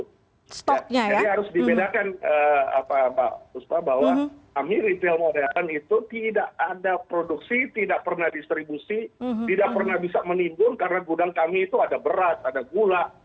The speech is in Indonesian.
jadi harus dibedakan pak fuspa bahwa kami ritel modern itu tidak ada produksi tidak pernah distribusi tidak pernah bisa menimbun karena gudang kami itu ada berat ada gula